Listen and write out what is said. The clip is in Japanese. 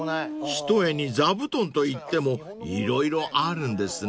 ［ひとえに座布団といっても色々あるんですね］